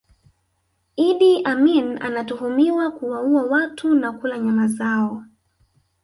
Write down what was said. Idi Amin anatuhumiwa kuwaua watu na kula nyama zao